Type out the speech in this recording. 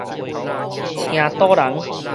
驚倒人